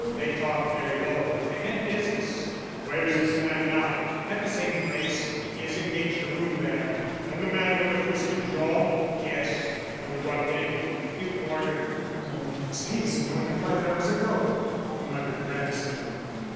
They talked very low but they meant business." "Where is this man now?" "At the same place. He has engaged a room there." "The man with the twisted jaw?" "Yes." "Under what name?" "Hugh Porter." "Ah, it was Hazen only five hours ago," muttered Ransom.